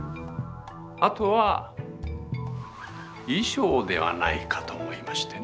あとは衣装ではないかと思いましてね。